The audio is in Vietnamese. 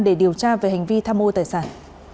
để điều tra về hành vi tham mô tài sản